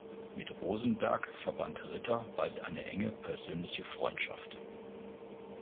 Mit Rosenberg verband Ritter bald eine enge persönliche Freundschaft.